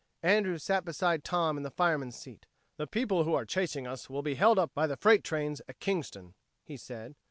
Andrews sat beside Tom in the fireman's seat. "The people who are chasing us will be held up by the freight trains at Kingston," he said.